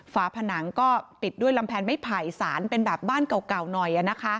ฝาผนังก็ปิดด้วยลำแพงไม้ไผ่สารเป็นแบบบ้านเก่าหน่อย